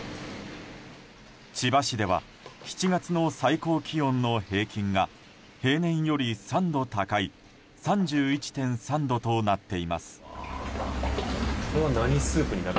千葉市では７月の最高気温の平均が平年より３度高い３１．３度となっています。